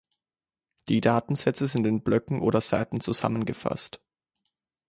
Die Datensätze sind in Blöcken oder Seiten zusammengefasst.